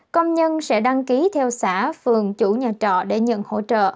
công nhân sẽ đăng ký theo xã phường chủ nhà trọ để nhận hỗ trợ